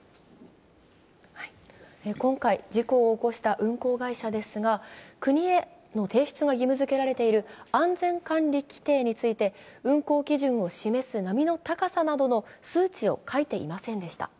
今回、事故を起こした運航会社ですが国への提出が義務づけられている安全管理規程について運航基準を示す波の高さなどの数値を書いていませんでした。